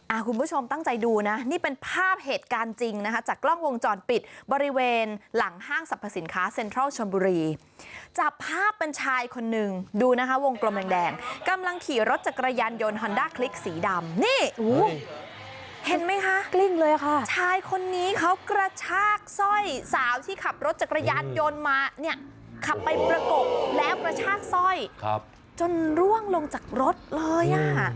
คุณผู้ชมตั้งใจดูนะนี่เป็นภาพเหตุการณ์จริงนะคะจากกล้องวงจรปิดบริเวณหลังห้างสรรพสินค้าเซ็นทรัลชนบุรีจับภาพเป็นชายคนนึงดูนะคะวงกลมแดงแดงกำลังขี่รถจักรยานยนต์ฮอนด้าคลิกสีดำนี่อุ้ยเห็นไหมคะกลิ้งเลยค่ะชายคนนี้เขากระชากสร้อยสาวที่ขับรถจักรยานยนต์มาเนี่ยขับไปประกบแล้วกระชากสร้อยครับจนร่วงลงจากรถเลยอ่ะ